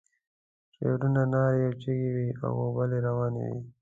شعارونه، نارې او چيغې وې او غلبلې روانې وې.